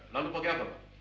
lalu pakai apa pak